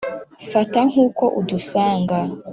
fata nkuko udusanga.